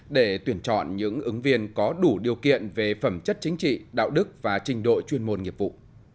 để tuyển chọn những ứng viên có đủ điều kiện về phẩm chất chính trị đạo đức và trình độ chuyên môn nghiệp vụ